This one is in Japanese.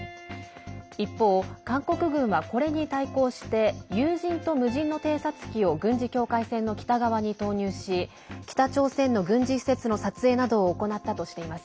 一方、韓国軍はこれに対抗して有人と無人の偵察機を軍事境界線の北側に投入し北朝鮮の軍事施設の撮影などを行ったとしています。